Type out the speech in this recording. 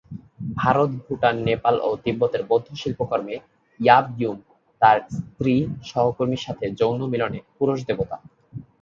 ভারত, ভুটান, নেপাল ও তিব্বতের বৌদ্ধ শিল্পকর্মে ইয়াব-ইয়ুম তার স্ত্রী সহকর্মীর সাথে যৌন মিলনে পুরুষ দেবতা।